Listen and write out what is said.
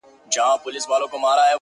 ستا دا رارا، زما دا نې نې.